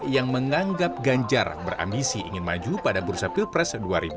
yang menganggap ganjar berambisi ingin maju pada bursa pilpres dua ribu dua puluh